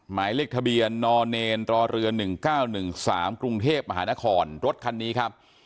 หมายเลขทะเบียนนรเรือ๑๙๑๓กรุงเทพมหานครรถคันนี้ครับ